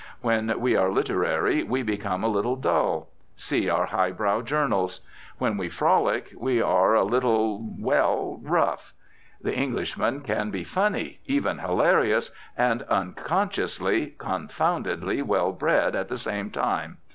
When we are literary we become a little dull. See our high brow journals! When we frolic we are a little, well, rough. The Englishman can be funny, even hilarious, and unconsciously, confoundedly well bred at the same time.